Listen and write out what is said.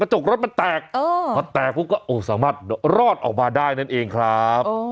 กระจกรถมันแตกเออมันแตกพวกเขาก็โอ้ยสามารถรอดออกมาได้นั่นเองครับ